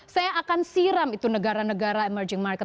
saya akan siram itu negara negara emerging market